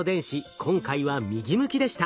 今回は右向きでした。